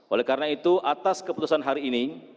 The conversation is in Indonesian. oleh karena itu atas keputusan hari ini